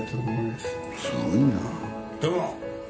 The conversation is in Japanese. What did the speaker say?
すごいな。